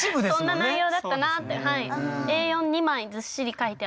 そんな内容だったなってはい。